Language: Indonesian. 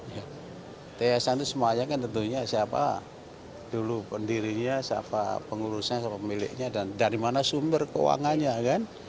ya tsn itu semuanya kan tentunya siapa dulu pendirinya siapa pengurusnya siapa pemiliknya dan dari mana sumber keuangannya kan